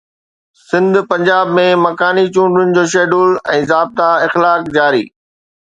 سنڌ-پنجاب ۾ مڪاني چونڊن جو شيڊول ۽ ضابطا اخلاق جاري